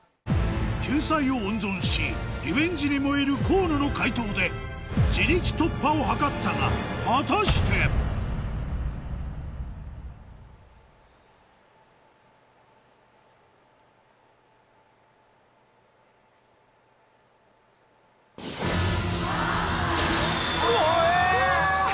救済を温存しリベンジに燃える河野の解答で自力突破を図ったが果たして？ごめん！